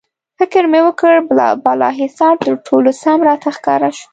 فکر مې وکړ، بالاحصار تر ټولو سم راته ښکاره شو.